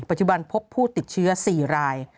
ปัจจุบันพบผู้ติดเชื้อ๔ลาย